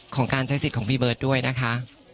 การใช้สิทธิ์ของพี่เบิร์ตด้วยนะคะ